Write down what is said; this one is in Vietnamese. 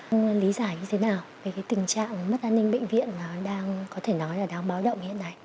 ông lý giải như thế nào về tình trạng mất an ninh bệnh viện đang có thể nói là đang báo động hiện nay